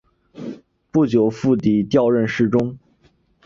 不久傅祗调任侍中。